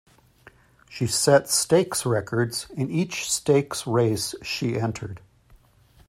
She set stakes records in each stakes race she entered.